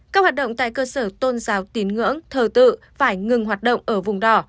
các hoạt động tại cơ sở tôn giáo tín ngưỡng thờ tự phải ngừng hoạt động ở vùng đỏ